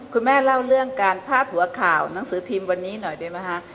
คุณแม่เล่าเรื่องการพาดหัวข่าวหนังสือพิมพ์วันนี้หน่อยได้ไหมคะ